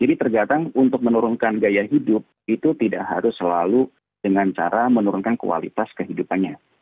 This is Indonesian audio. jadi terjadang untuk menurunkan gaya hidup itu tidak harus selalu dengan cara menurunkan kualitas kehidupannya